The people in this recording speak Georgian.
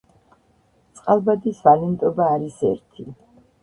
წყალბადის ვალენტობა არის ერთი